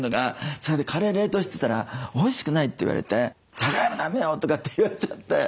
それでカレー冷凍してたら「おいしくない」って言われて「じゃがいもだめよ」とかって言われちゃって。